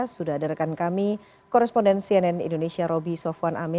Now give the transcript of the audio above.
sudah ada rekan kami koresponden cnn indonesia roby sofwan amin